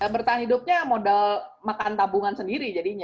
bertahan hidupnya modal makan tabungan sendiri jadinya